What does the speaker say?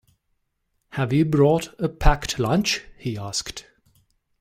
Have you brought a packed lunch? he asked